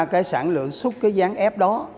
cái sản lượng xúc cái gián ép đó